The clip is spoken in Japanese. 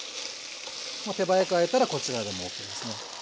もう手早くあえたらこちらでもうＯＫですね。